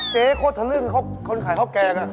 โคตรทะลึ่งคนขายข้าวแกง